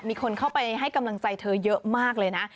มีคนเข้าไปให้กำลังใจเธอเยอะมากเลยนะ